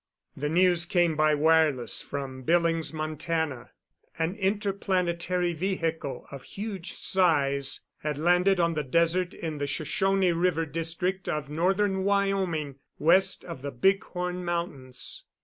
The news came by wireless from Billings, Montana. An interplanetary vehicle of huge size had landed on the desert in the Shoshone River district of northern Wyoming, west of the Big Horn Mountains.